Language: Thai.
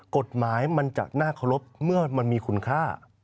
กฎหมายมันจะน่าเคารพเมื่อมันมีคุณค่า